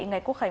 ngày quốc khánh